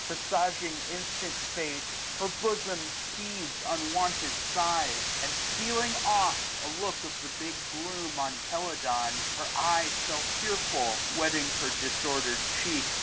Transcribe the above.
Presaging instant fate, her bosom heaved * ^^95 Unwonted sighs j and stealing oft a look Of the big gloom on Celadon, her eye Fell tearful, wetting her disordered cheek.